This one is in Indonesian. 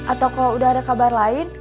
atau kalau udah ada kabar lain